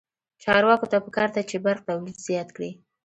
چارواکو ته پکار ده چې، برق تولید زیات کړي.